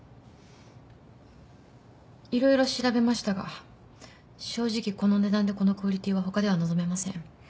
いろいろ調べましたが正直この値段でこのクオリティーは他では望めません。